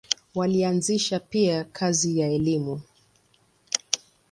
Walianzisha pia kazi ya elimu.